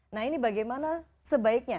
nah ini bagaimana sebaiknya